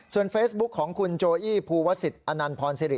เฟซบุ๊คของคุณโจอี้ภูวศิษย์อนันพรสิริ